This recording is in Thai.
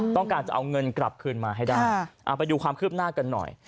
ต้องการจะเอาเงินกลับคืนมาให้ได้เอาไปดูความคืบหน้ากันหน่อย